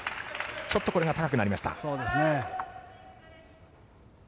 ちょっとこれが高くなりました。